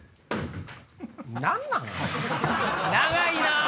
長いなぁ！